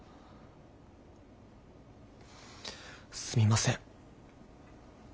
すみません。